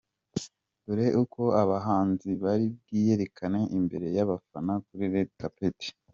Dore uko abahanzi bari bwiyerekane imbere y’abafana kuri Red Carpet.